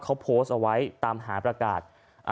เขาโพสต์เอาไว้ตามหาประกาศ